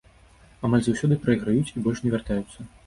Амаль заўсёды прайграюць і больш не вяртаюцца.